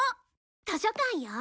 図書館よ。